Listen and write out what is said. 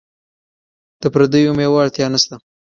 د پردیو میوو اړتیا نشته.